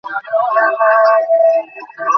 ব্যাবসার সময় হয়ে গেছে।